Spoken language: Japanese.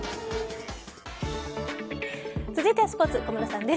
続いてはスポーツ小室さんです。